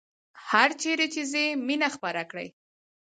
هرچیرې چې ځئ مینه خپره کړئ